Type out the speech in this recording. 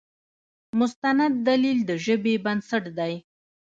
مستند دلیل د ژبې بنسټ دی.